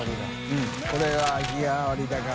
うんこれは日替わりだから。